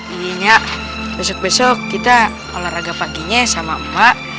iya nya besok besok kita olahraga paginya sama mbak